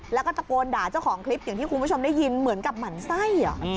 แล้วก็ตะโกนด่าเจ้าของคลิปอย่างที่คุณผู้ชมได้ยินเหมือนกับหมั่นไส้